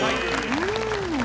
うん！